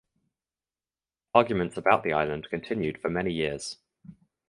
Arguments about the island continued for many years.